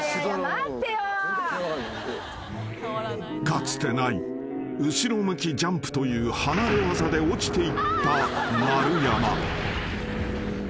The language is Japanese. ［かつてない後ろ向きジャンプという離れ業で落ちていった丸山］